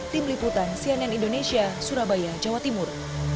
tim liputan cnn indonesia surabaya jawa timur